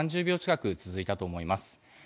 ３０秒近く続いたと思います。